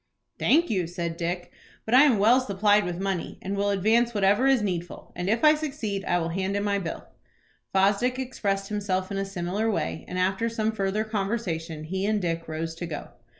"Thank you," said Dick; "but I am well supplied with money, and will advance whatever is needful, and if I succeed I will hand in my bill." Fosdick expressed himself in a similar way, and after some further conversation he and Dick rose to go.